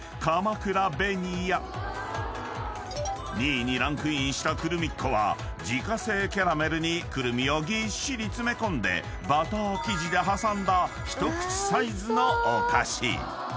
［２位にランクインしたクルミッ子は自家製キャラメルにクルミをぎっしり詰め込んでバター生地で挟んだ一口サイズのお菓子］